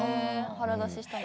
腹出ししたんだ。